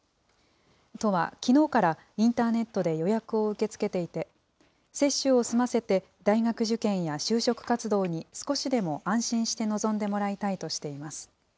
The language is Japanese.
都はきのうからインターネットで予約を受け付けていて、接種を済ませて、大学受験や就職活動に少しでも安心して臨んでもらいたいとしています。